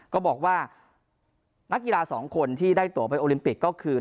ก็บอกว่านักกีฬาสองคนที่ได้ตัวไปโอลิมปิกก็คือ